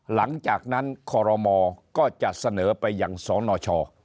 หลังจากนั้นคอโรมอร์ก็จะเสนอไปอย่าง๒หน่อช่อ